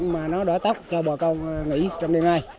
mà nó đỡ tóc cho bà con nghỉ trong đêm nay